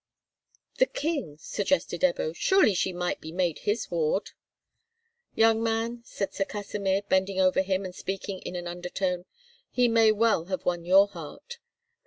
"The King," suggested Ebbo. "Surely she might be made his ward." "Young man," said Sir Kasimir, bending over him, and speaking in an undertone, "he may well have won your heart.